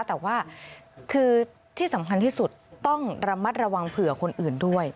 แต่ว่าคือที่สำคัญที่สุดต้องระมัดระวังเผื่อคนอื่นด้วย